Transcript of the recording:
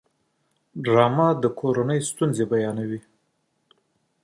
ډرامه د کورنۍ ستونزې بیانوي